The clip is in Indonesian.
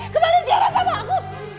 kembali tiara sama aku